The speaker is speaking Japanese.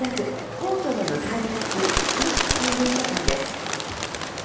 皇居の向かいに建つ国立公文書館です。